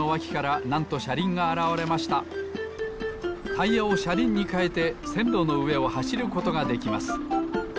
タイヤをしゃりんにかえてせんろのうえをはしることができます。